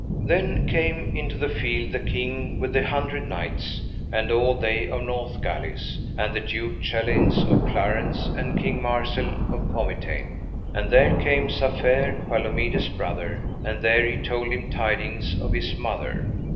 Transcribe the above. Then came into the field the King with the Hundred Knights, and all they of Northgalis, and the Duke Chaleins of Clarance, and King Marsil of Pomitain, and there came Safere, Palomides' brother, and there he told him tidings of his mother.